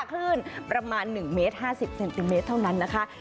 คลื่นประมาณ๑เมตร๕๐เซนติเมตรเท่านั้นนะคะ